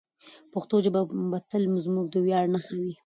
پښتو ژبه به تل زموږ د ویاړ نښه وي.